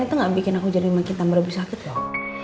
itu gak bikin aku jadi makin tambah lebih sakit loh